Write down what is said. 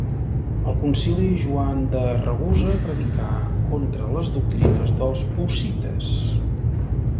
Al Concili Joan de Ragusa predicà contra les doctrines dels hussites.